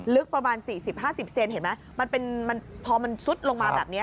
ลึกประมาณ๔๐๕๐เซนเห็นไหมพอมันซุดลงมาแบบนี้